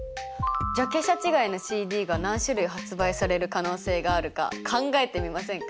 ジャケ写違いのＣＤが何種類発売される可能性があるか考えてみませんか？